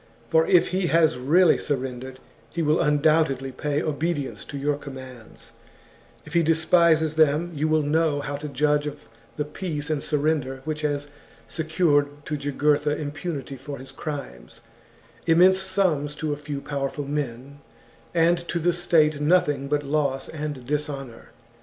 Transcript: For if he has really surrendered, he will undoubtedly pay obedience to your commands ; if he despises them, you will know how to judge of the peace and surrender which has secured to Jugurtha impunity for his crimes, immense sums to a few powerful men, and to the state nothing but loss and dishonour.